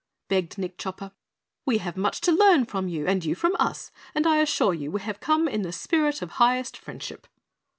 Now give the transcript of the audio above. begged Nick Chopper. "We have much to learn from you and you from us, and I assure you we have come in the spirit of highest friendship!"